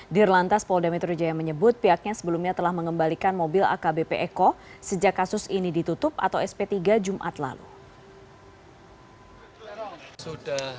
dirlantas polda metro jaya menyebut pihaknya sebelumnya telah mengembalikan mobil akbp eko sejak kasus ini ditutup atau sp tiga jumat lalu